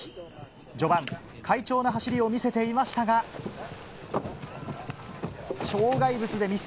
序盤、快調な走りを見せていましたが障害物でミス。